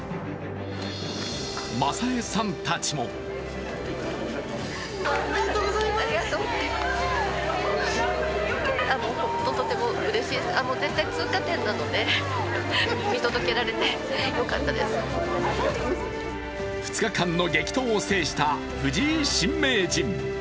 まさえさんたちも２日間の激闘を制した藤井新名人。